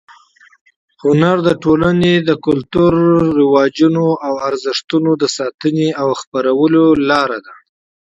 هنر د ټولنې د کلتور، عنعناتو او ارزښتونو د ساتنې او خپرولو لار ده.